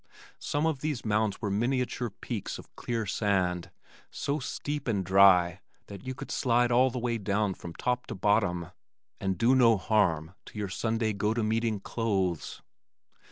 Some of these mounds were miniature peaks of clear sand, so steep and dry that you could slide all the way down from top to bottom, and do no harm to your Sunday go to meeting clothes.